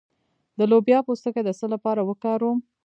د لوبیا پوستکی د څه لپاره وکاروم؟